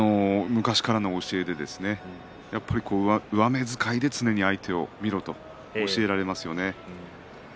昔からの教えで上目遣いで常に相手を見ろと教えられますよね。